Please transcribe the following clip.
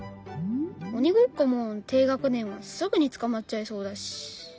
鬼ごっこも低学年はすぐに捕まっちゃいそうだし。